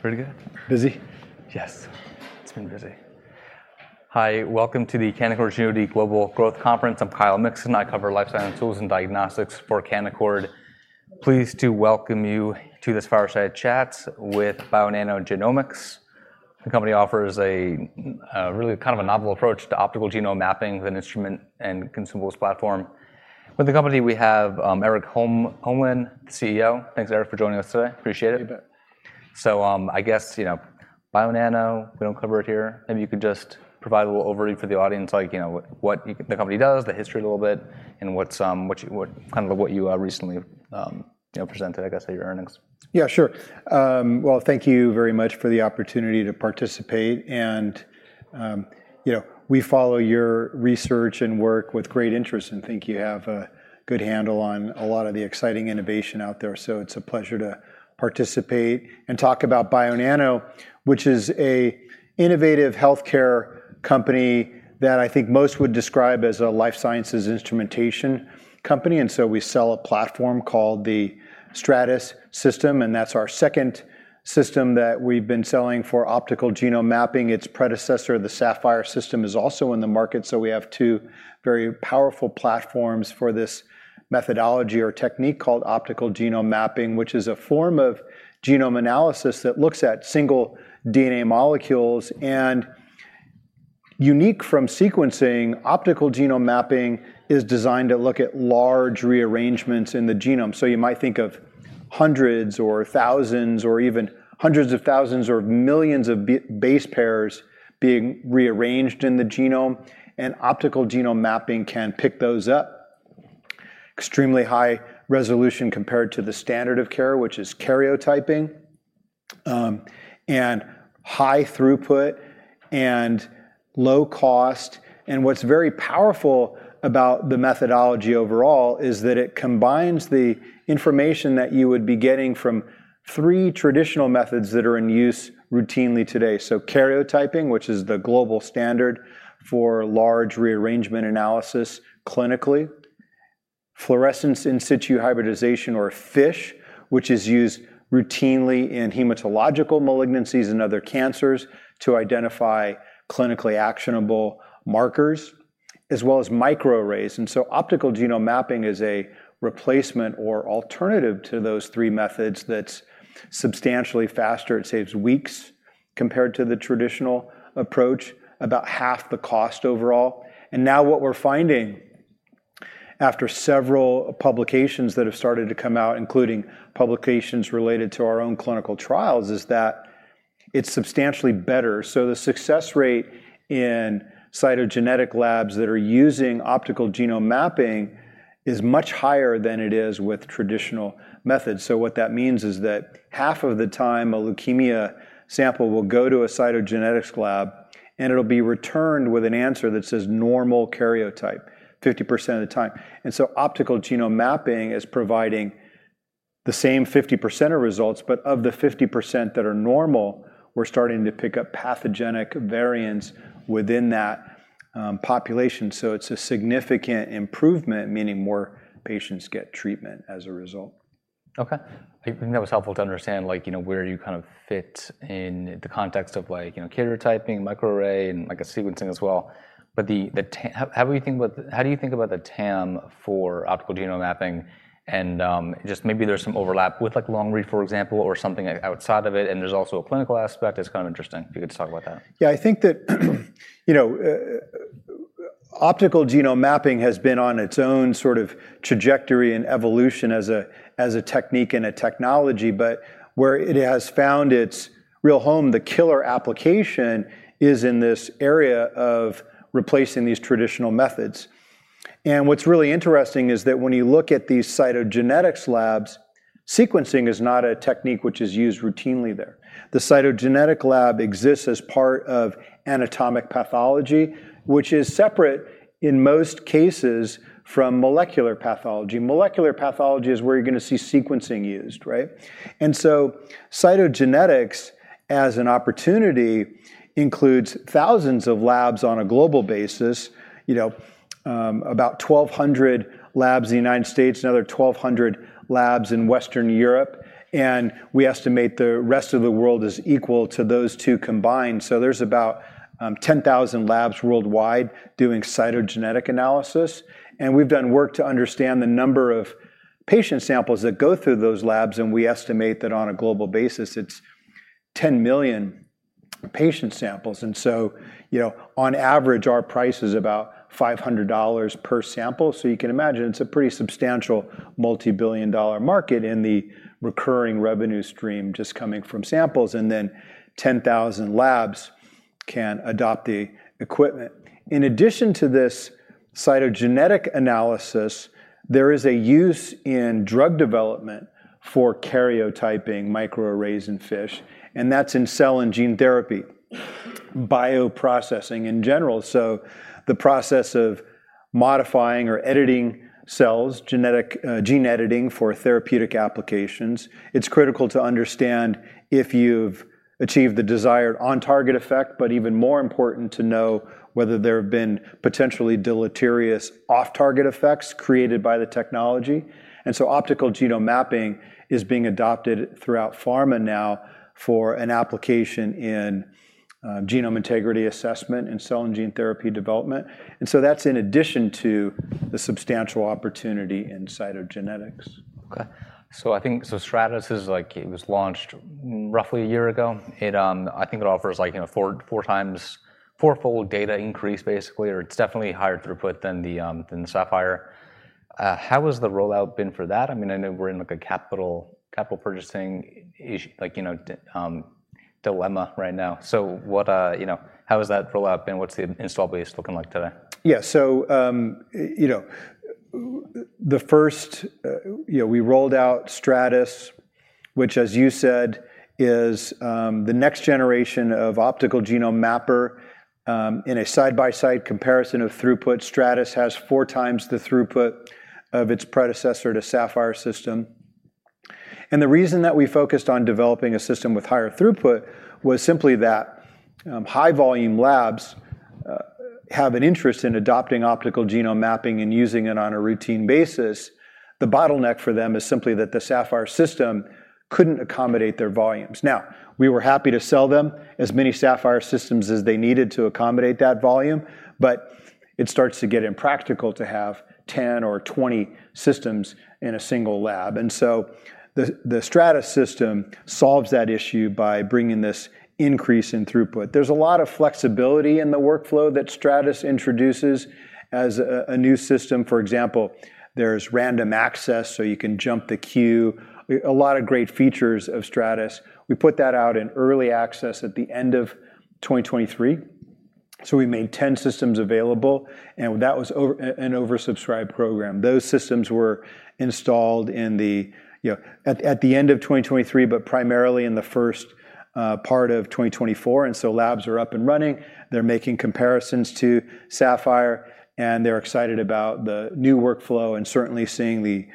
Pretty good. Busy? Yes, it's been busy. Hi, welcome to the Canaccord Genuity Global Growth Conference. I'm Kyle Mikson, I cover lifestyle and tools and diagnostics for Canaccord. Pleased to welcome you to this fireside chat with Bionano Genomics. The company offers a really kind of a novel approach to optical genome mapping with an instrument and consumables platform. With the company, we have Erik Holmlin, the CEO. Thanks, Erik, for joining us today. Appreciate it. You bet. So, I guess, you know, Bionano, we don't cover it here. Maybe you could just provide a little overview for the audience, like, you know, what the company does, the history a little bit, and what, what kind of what you recently, you know, presented, I guess, at your earnings. Yeah, sure. Well, thank you very much for the opportunity to participate, and, you know, we follow your research and work with great interest and think you have a good handle on a lot of the exciting innovation out there. So it's a pleasure to participate and talk about Bionano, which is an innovative healthcare company that I think most would describe as a life sciences instrumentation company, and so we sell a platform called the Stratys System, and that's our second system that we've been selling for optical genome mapping. Its predecessor, the Saphyr System, is also in the market, so we have two very powerful platforms for this methodology or technique called optical genome mapping, which is a form of genome analysis that looks at single DNA molecules, and unique from sequencing, optical genome mapping is designed to look at large rearrangements in the genome. So you might think of hundreds or thousands or even hundreds of thousands or millions of base pairs being rearranged in the genome, and optical genome mapping can pick those up. Extremely high resolution compared to the standard of care, which is karyotyping, and high throughput and low cost, and what's very powerful about the methodology overall is that it combines the information that you would be getting from three traditional methods that are in use routinely today. So karyotyping, which is the global standard for large rearrangement analysis clinically, fluorescence in situ hybridization, or FISH, which is used routinely in hematological malignancies and other cancers to identify clinically actionable markers, as well as microarrays. And so optical genome mapping is a replacement or alternative to those three methods that's substantially faster. It saves weeks compared to the traditional approach, about half the cost overall. Now what we're finding after several publications that have started to come out, including publications related to our own clinical trials, is that it's substantially better. The success rate in cytogenetic labs that are using optical genome mapping is much higher than it is with traditional methods. What that means is that half of the time, a leukemia sample will go to a cytogenetics lab, and it'll be returned with an answer that says normal karyotype, 50% of the time. Optical genome mapping is providing the same 50% of results, but of the 50% that are normal, we're starting to pick up pathogenic variants within that population, so it's a significant improvement, meaning more patients get treatment as a result. Okay. I think that was helpful to understand, like, you know, where you kind of fit in the context of like, you know, karyotyping, microarray, and like a sequencing as well. But how do you think about the TAM for optical genome mapping? And just maybe there's some overlap with like long read, for example, or something outside of it, and there's also a clinical aspect that's kind of interesting, if you could talk about that. Yeah, I think that, you know, optical genome mapping has been on its own sort of trajectory and evolution as a, as a technique and a technology, but where it has found its real home, the killer application, is in this area of replacing these traditional methods. And what's really interesting is that when you look at these cytogenetics labs, sequencing is not a technique which is used routinely there. The cytogenetic lab exists as part of anatomic pathology, which is separate, in most cases, from molecular pathology. Molecular pathology is where you're going to see sequencing used, right? And so cytogenetics, as an opportunity, includes thousands of labs on a global basis, you know, about 1,200 labs in the United States, another 1,200 labs in Western Europe, and we estimate the rest of the world is equal to those two combined. So there's about 10,000 labs worldwide doing cytogenetic analysis, and we've done work to understand the number of patient samples that go through those labs, and we estimate that on a global basis, it's 10 million patient samples. And so, you know, on average, our price is about $500 per sample. So you can imagine it's a pretty substantial multibillion-dollar market in the recurring revenue stream just coming from samples, and then 10,000 labs can adopt the equipment. In addition to this cytogenetic analysis, there is a use in drug development for karyotyping, microarrays, and FISH, and that's in cell and gene therapy, bioprocessing in general. So the process of modifying or editing cells, genetic, gene editing for therapeutic applications, it's critical to understand if you've achieve the desired on-target effect, but even more important to know whether there have been potentially deleterious off-target effects created by the technology. And so optical genome mapping is being adopted throughout pharma now for an application in genome integrity assessment and cell and gene therapy development. And so that's in addition to the substantial opportunity in cytogenetics. Okay. So I think, so Stratys is like, it was launched roughly a year ago. It, I think it offers like, you know, 4, 4 times, fourfold data increase, basically, or it's definitely higher throughput than the Saphyr. How has the rollout been for that? I mean, I know we're in, like, a capital, capital purchasing is, like, you know, dilemma right now. So what, you know, how has that rollout been? What's the install base looking like today? Yeah, so, you know, the first, you know, we rolled out Stratys, which, as you said, is the next generation of optical genome mapper. In a side-by-side comparison of throughput, Stratys has four times the throughput of its predecessor, the Saphyr system. And the reason that we focused on developing a system with higher throughput was simply that high-volume labs have an interest in adopting optical genome mapping and using it on a routine basis. The bottleneck for them is simply that the Saphyr system couldn't accommodate their volumes. Now, we were happy to sell them as many Saphyr systems as they needed to accommodate that volume, but it starts to get impractical to have 10 or 20 systems in a single lab. And so the Stratys system solves that issue by bringing this increase in throughput. There's a lot of flexibility in the workflow that Stratys introduces as a new system. For example, there's random access, so you can jump the queue. A lot of great features of Stratys. We put that out in early access at the end of 2023, so we made 10 systems available, and that was an oversubscribed program. Those systems were installed in the, you know, at the end of 2023, but primarily in the first part of 2024, and so labs are up and running. They're making comparisons to Saphyr, and they're excited about the new workflow and certainly seeing the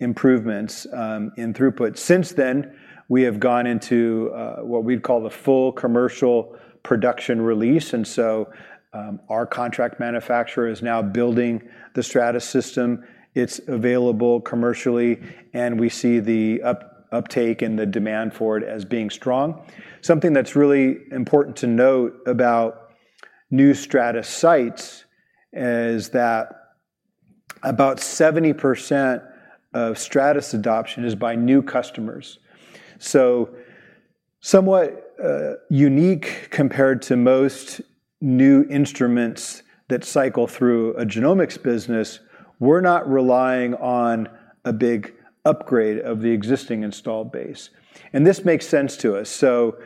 improvements in throughput. Since then, we have gone into what we'd call the full commercial production release, and so our contract manufacturer is now building the Stratys system. It's available commercially, and we see the uptake and the demand for it as being strong. Something that's really important to note about new Stratys sites is that about 70% of Stratys adoption is by new customers. So somewhat unique compared to most new instruments that cycle through a genomics business, we're not relying on a big upgrade of the existing installed base, and this makes sense to us. So,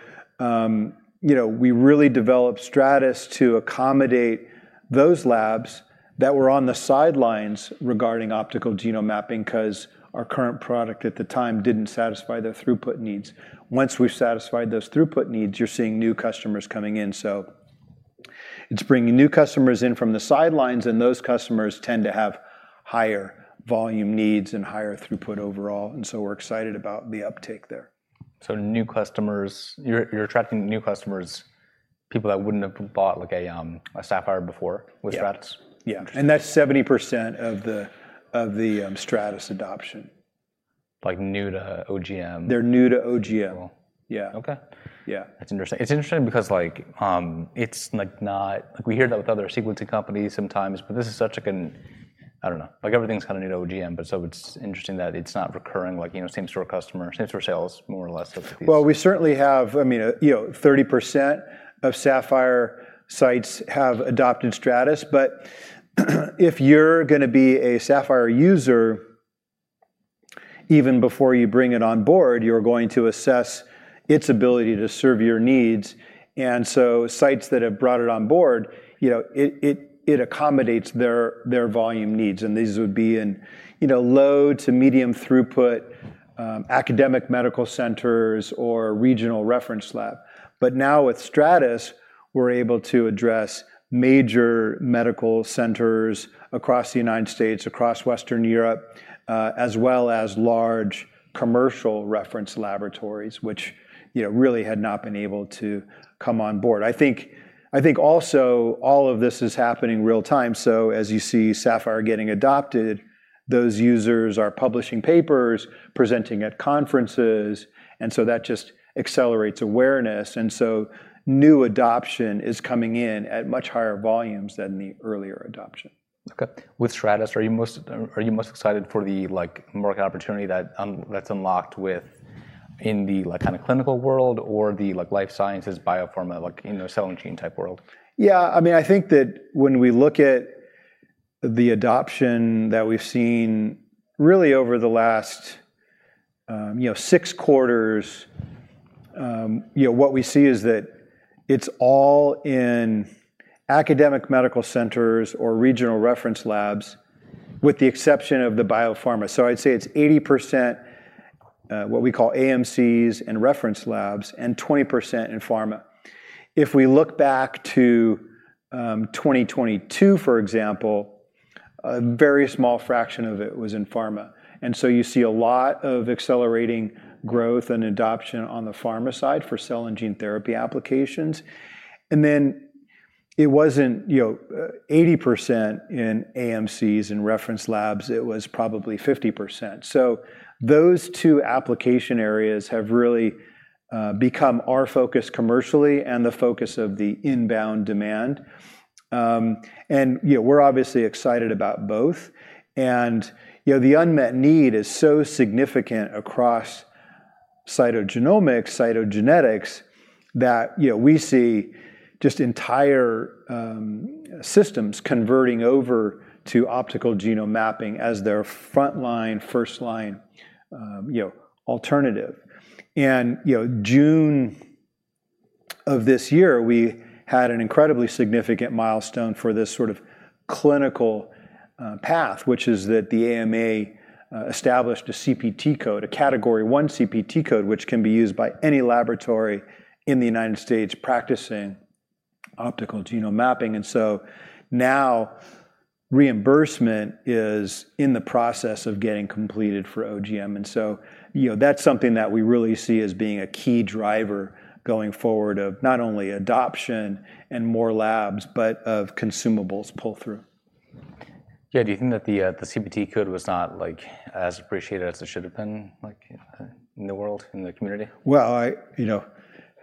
you know, we really developed Stratys to accommodate those labs that were on the sidelines regarding optical genome mapping, 'cause our current product at the time didn't satisfy their throughput needs. Once we've satisfied those throughput needs, you're seeing new customers coming in. So it's bringing new customers in from the sidelines, and those customers tend to have higher volume needs and higher throughput overall, and so we're excited about the uptake there. So new customers, you're attracting new customers, people that wouldn't have bought, like, a Saphyr before? Yeah With Stratys? Yeah. Interesting. That's 70% of the Stratys adoption. Like, new to OGM? They're new to OGM. Cool. Yeah. Okay. Yeah. That's interesting. It's interesting because, like, it's like not, we hear that with other sequencing companies sometimes, but I don't know. Like, everything's kind of new to OGM, but so it's interesting that it's not recurring, like, you know, same store customer, same store sales, more or less, like these. Well, we certainly have, I mean, you know, 30% of Saphyr sites have adopted Stratys, but if you're gonna be a Saphyr user, even before you bring it on board, you're going to assess its ability to serve your needs. And so sites that have brought it on board, you know, it accommodates their volume needs, and these would be in, you know, low to medium throughput, academic medical centers or regional reference lab. But now with Stratys, we're able to address major medical centers across the United States, across Western Europe, as well as large commercial reference laboratories, which, you know, really had not been able to come on board. I think, I think also all of this is happening real time, so as you see Saphyr getting adopted, those users are publishing papers, presenting at conferences, and so that just accelerates awareness. And so new adoption is coming in at much higher volumes than the earlier adoption. Okay. With Stratys, are you most excited for the, like, market opportunity that's unlocked within the, like, kind of clinical world or the, like, life sciences, biopharma, like, you know, cell and gene-type world? Yeah, I mean, I think that when we look at the adoption that we've seen really over the last, you know, 6 quarters, you know, what we see is that it's all in academic medical centers or regional reference labs, with the exception of the biopharma. So I'd say it's 80%, what we call AMCs and reference labs, and 20% in pharma. If we look back to, 2022, for example. A very small fraction of it was in pharma. And so you see a lot of accelerating growth and adoption on the pharma side for cell and gene therapy applications. And then it wasn't, you know, 80% in AMCs and reference labs, it was probably 50%. So those two application areas have really, become our focus commercially and the focus of the inbound demand. You know, we're obviously excited about both. And, you know, the unmet need is so significant across cytogenomics, cytogenetics, that, you know, we see just entire systems converting over to optical genome mapping as their frontline, first line, you know, alternative. And, you know, June of this year, we had an incredibly significant milestone for this sort of clinical path, which is that the AMA established a CPT code, a Category I CPT code, which can be used by any laboratory in the United States practicing optical genome mapping. And so now reimbursement is in the process of getting completed for OGM, and so, you know, that's something that we really see as being a key driver going forward, of not only adoption and more labs, but of consumables pull-through. Yeah. Do you think that the CPT code was not, like, as appreciated as it should have been, like, in the world, in the community? Well, you know,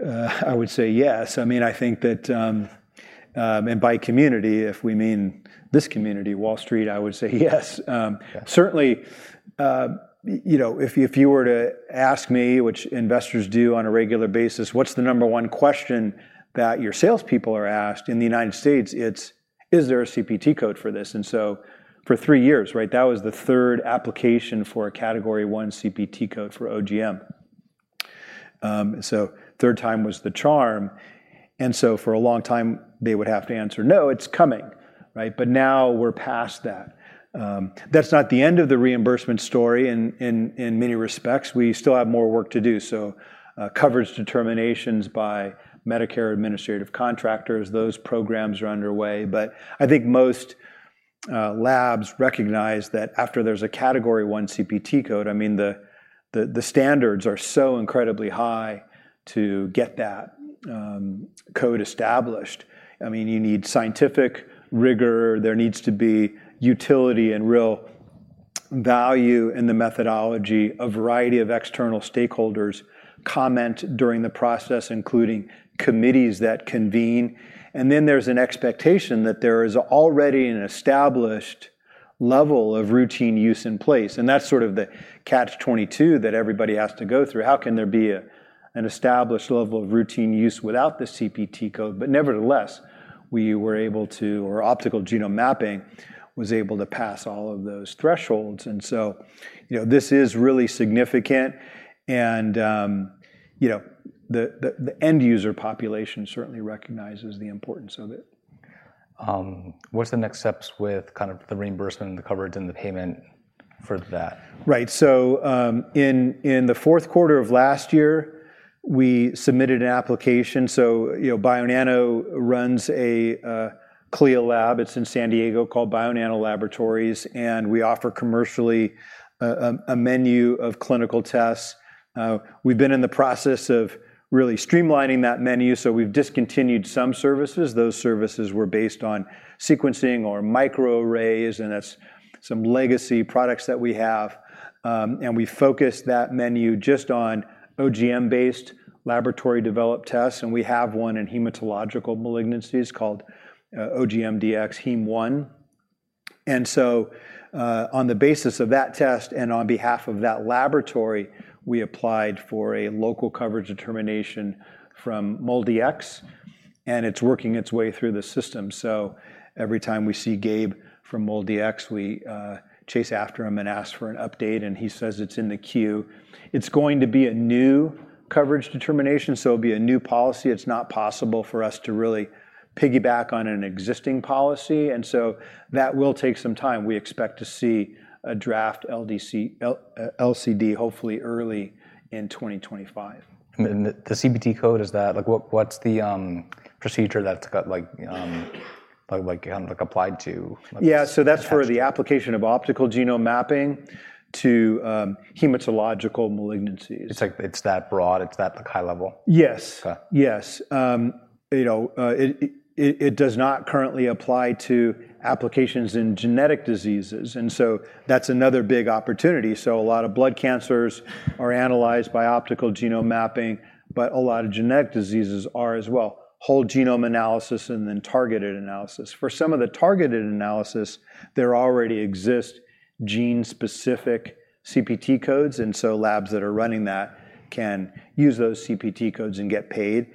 I would say yes. I mean, I think that, and by community, if we mean this community, Wall Street, I would say yes. Yeah. Certainly, you know, if you were to ask me, which investors do on a regular basis, "What's the number one question that your salespeople are asked?" In the United States, it's, "Is there a CPT code for this?" And so for three years, right, that was the third application for a Category I CPT code for OGM. So third time was the charm, and so for a long time they would have to answer, "No, it's coming." Right? But now we're past that. That's not the end of the reimbursement story. In many respects, we still have more work to do. So, coverage determinations by Medicare administrative contractors, those programs are underway. But I think most labs recognize that after there's a Category I CPT code, I mean, the standards are so incredibly high to get that code established. I mean, you need scientific rigor. There needs to be utility and real value in the methodology. A variety of external stakeholders comment during the process, including committees that convene, and then there's an expectation that there is already an established level of routine use in place, and that's sort of the catch 22 that everybody has to go through. How can there be an established level of routine use without the CPT code? But nevertheless, we were able to or optical genome mapping was able to pass all of those thresholds. And so, you know, this is really significant, and you know, the end user population certainly recognizes the importance of it. What's the next steps with kind of the reimbursement and the coverage and the payment for that? Right. So, in the fourth quarter of last year, we submitted an application. So, you know, Bionano runs a CLIA lab, it's in San Diego, called Bionano Laboratories, and we offer commercially a menu of clinical tests. We've been in the process of really streamlining that menu, so we've discontinued some services. Those services were based on sequencing or microarrays, and that's some legacy products that we have. And we focused that menu just on OGM-based laboratory developed tests, and we have one in hematological malignancies called OGM-Dx Heme One. And so, on the basis of that test and on behalf of that laboratory, we applied for a local coverage determination from MolDX, and it's working its way through the system. So every time we see Gabe from MolDX, we chase after him and ask for an update, and he says it's in the queue. It's going to be a new coverage determination, so it'll be a new policy. It's not possible for us to really piggyback on an existing policy, and so that will take some time. We expect to see a draft LCD, hopefully early in 2025. The CPT code, is that—like, what's the procedure that's got like, like, like applied to? Yeah. So that's for the application of optical genome mapping to hematological malignancies. It's like it's that broad, it's that, like, high level? Yes. Okay. Yes. You know, it does not currently apply to applications in genetic diseases, and so that's another big opportunity. So a lot of blood cancers are analyzed by optical genome mapping, but a lot of genetic diseases are as well, whole genome analysis and then targeted analysis. For some of the targeted analysis, there already exist gene-specific CPT codes, and so labs that are running that can use those CPT codes and get paid.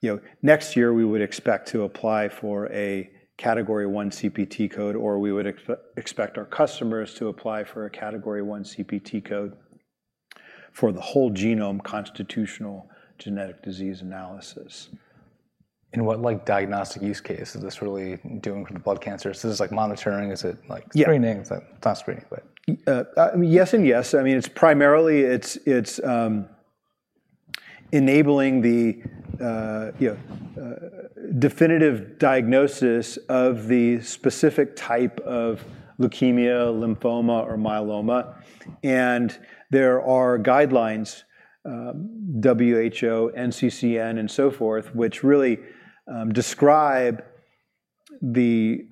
You know, next year we would expect to apply for a Category I CPT code, or we would expect our customers to apply for a Category I CPT code for the whole genome constitutional genetic disease analysis. In what, like, diagnostic use case is this really doing for the blood cancer? So this is like monitoring, is it like screening? It's not screening? Yes and yes. I mean, it's primarily enabling the, you know, definitive diagnosis of the specific type of leukemia, lymphoma, or myeloma. And there are guidelines, WHO, NCCN, and so forth, which really describe the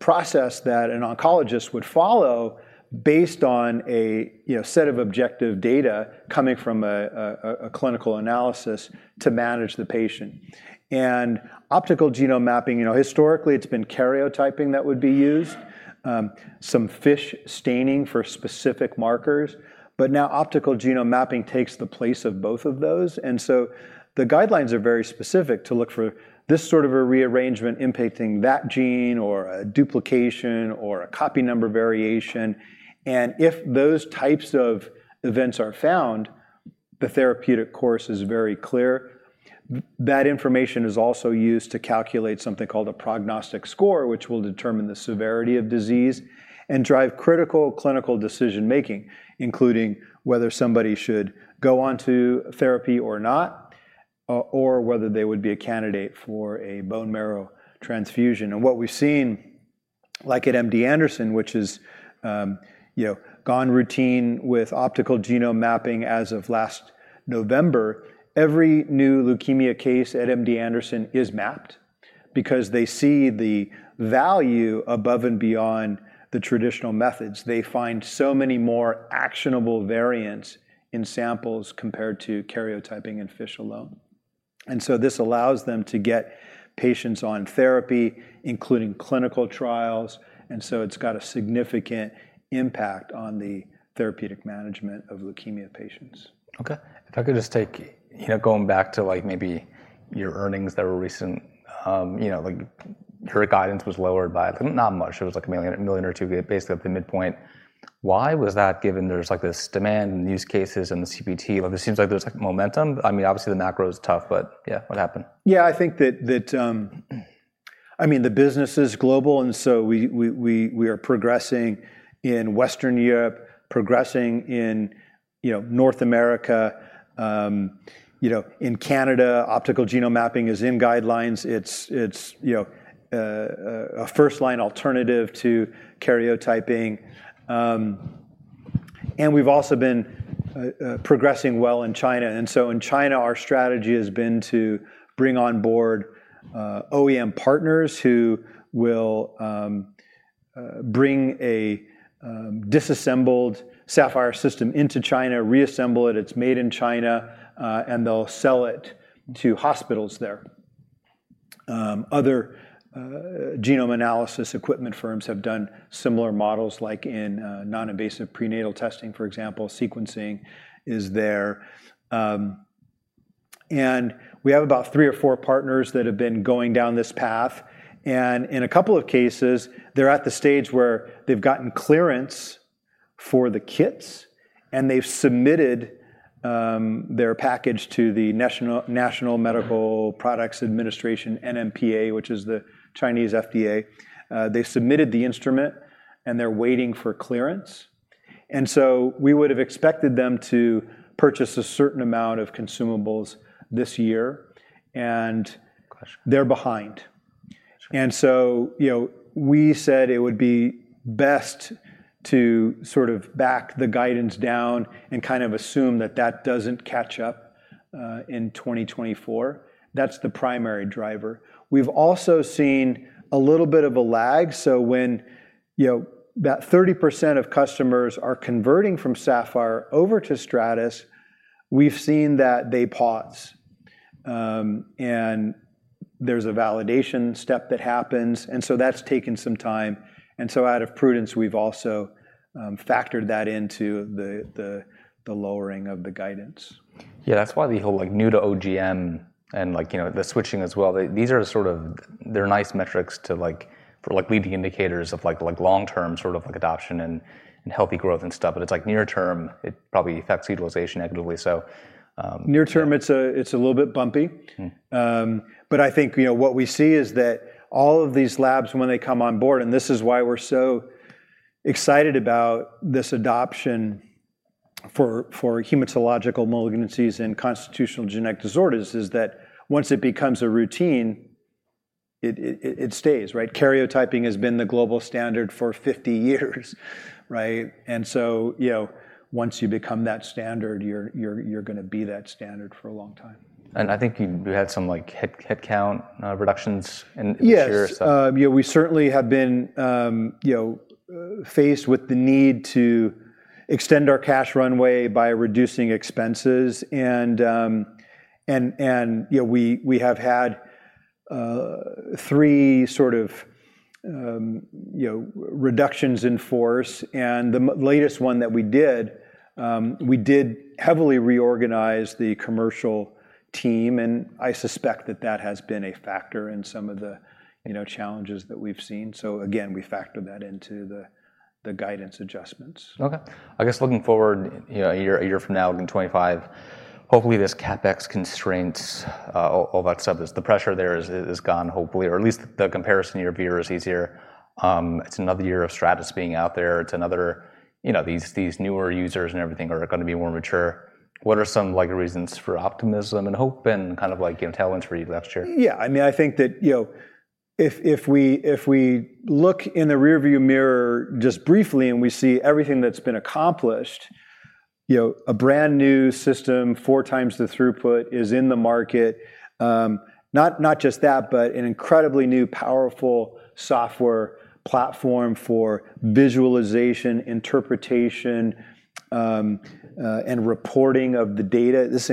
process that an oncologist would follow based on a, you know, set of objective data coming from a clinical analysis to manage the patient. And optical genome mapping, you know, historically, it's been karyotyping that would be used, some FISH staining for specific markers, but now optical genome mapping takes the place of both of those. And so the guidelines are very specific to look for this sort of a rearrangement impacting that gene or a duplication or a copy number variation, and if those types of events are found, the therapeutic course is very clear. That information is also used to calculate something called a prognostic score, which will determine the severity of disease and drive critical clinical decision-making, including whether somebody should go on to therapy or not, or whether they would be a candidate for a bone marrow transfusion. And what we've seen, like at MD Anderson, which is, you know, gone routine with optical genome mapping as of last November, every new leukemia case at MD Anderson is mapped because they see the value above and beyond the traditional methods. They find so many more actionable variants in samples compared to karyotyping and FISH alone. And so this allows them to get patients on therapy, including clinical trials, and so it's got a significant impact on the therapeutic management of leukemia patients. Okay. If I could just take, you know, going back to, like, maybe your earnings that were recent, you know, like, your guidance was lowered by not much. It was, like, $1 million, $1 million or $2 million, basically up to midpoint. Why was that, given there's, like, this demand and use cases and the CPT? Like, it seems like there's, like, momentum. I mean, obviously, the macro is tough, but yeah, what happened? Yeah, I think that, I mean, the business is global, and so we are progressing in Western Europe, progressing in, you know, North America. You know, in Canada, optical genome mapping is in guidelines. It's, you know, a first-line alternative to karyotyping. And we've also been progressing well in China. And so in China, our strategy has been to bring on board OEM partners who will bring a disassembled Saphyr system into China, reassemble it. It's made in China, and they'll sell it to hospitals there. Other genome analysis equipment firms have done similar models, like in non-invasive prenatal testing, for example, sequencing is there. and we have about three or four partners that have been going down this path, and in a couple of cases, they're at the stage where they've gotten clearance for the kits, and they've submitted their package to the National Medical Products Administration, NMPA, which is the Chinese FDA. They've submitted the instrument, and they're waiting for clearance, and so we would have expected them to purchase a certain amount of consumables this year, and they're behind. So, you know, we said it would be best to sort of back the guidance down and kind of assume that that doesn't catch up in 2024. That's the primary driver. We've also seen a little bit of a lag, so when, you know, about 30% of customers are converting from Saphyr over to Stratys, we've seen that they pause. And there's a validation step that happens, and so that's taken some time, and so out of prudence, we've also factored that into the lowering of the guidance. Yeah, that's why the whole, like, new to OGM and, like, you know, the switching as well, these are sort of... They're nice metrics to, like, for, like, leading indicators of, like, like, long-term sort of, like, adoption and, and healthy growth and stuff, but it's, like, near term, it probably affects utilization negatively. Near term, it's a little bit bumpy. But I think, you know, what we see is that all of these labs, when they come on board, and this is why we're so excited about this adoption for hematological malignancies and constitutional genetic disorders, is that once it becomes a routine, it stays, right? Karyotyping has been the global standard for 50 years, right? And so, you know, once you become that standard, you're gonna be that standard for a long time. I think you had some, like, head count reductions in this year, so. Yeah, we certainly have been, you know, faced with the need to extend our cash runway by reducing expenses, and, and, you know, we have had three sort of, you know, reductions in force, and the latest one that we did, we did heavily reorganize the commercial team, and I suspect that that has been a factor in some of the, you know, challenges that we've seen. So again, we factor that into the guidance adjustments. Okay. I guess looking forward, you know, a year, a year from now in 2025, hopefully, this CapEx constraints, all, all that stuff, the pressure there is, is gone, hopefully, or at least the comparison year view is easier. It's another year of Stratys being out there. It's another, you know, these, these newer users and everything are gonna be more mature. What are some, like, reasons for optimism and hope and kind of like, you know, tailwinds for you last year? Yeah, I mean, I think that, you know, if we look in the rearview mirror just briefly and we see everything that's been accomplished, you know, a brand-new system, four times the throughput is in the market. Not just that, but an incredibly new, powerful software platform for visualization, interpretation, and reporting of the data. This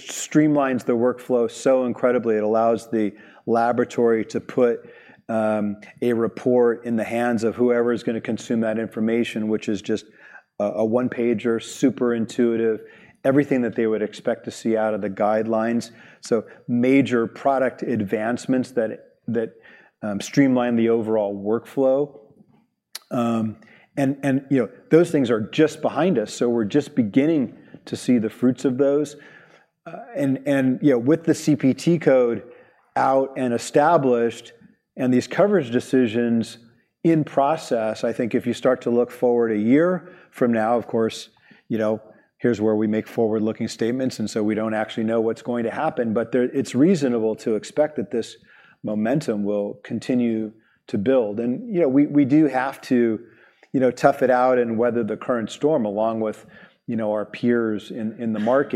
streamlines the workflow so incredibly. It allows the laboratory to put a report in the hands of whoever is gonna consume that information, which is just a one-pager, super intuitive, everything that they would expect to see out of the guidelines, so major product advancements that, that streamline the overall workflow. And, you know, those things are just behind us, so we're just beginning to see the fruits of those. You know, with the CPT code out and established and these coverage decisions in process, I think if you start to look forward a year from now, of course, you know, here's where we make forward-looking statements, and so we don't actually know what's going to happen, but there, it's reasonable to expect that this momentum will continue to build. And you know, we do have to, you know, tough it out and weather the current storm, along with, you know, our peers in the market.